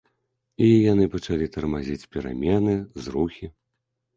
І яны пачалі тармазіць перамены, зрухі.